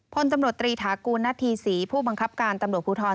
พลตำรวจตรีถากูลณฑีศรีผู้บังคับการตำรวจภูทร